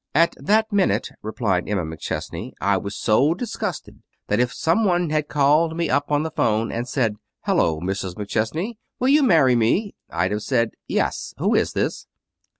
"At that minute," replied Emma McChesney, "I was so disgusted that if some one had called me up on the 'phone and said, 'Hullo, Mrs. McChesney! Will you marry me?' I'd have said: 'Yes. Who is this?'"